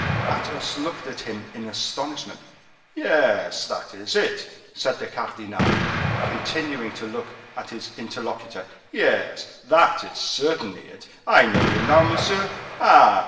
Athos looked at him in astonishment. "Yes, that is it!" said the cardinal, continuing to look at his interlocutor; "yes, that is certainly it. I know you now, monsieur. Ah!